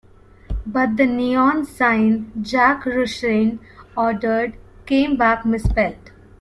But the neon sign Jack Rushin ordered came back misspelled.